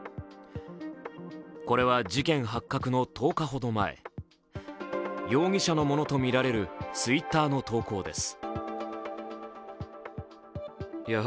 これは事件発覚の１０日ほど前、容疑者のものとみられるＴｗｉｔｔｅｒの投稿です。